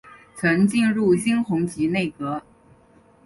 曾进入金弘集内阁。